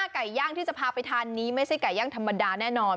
ไก่ย่างที่จะพาไปทานนี้ไม่ใช่ไก่ย่างธรรมดาแน่นอน